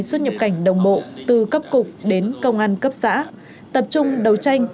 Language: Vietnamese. xuất nhập cảnh đồng bộ từ cấp cục đến công an cấp xã tập trung đấu tranh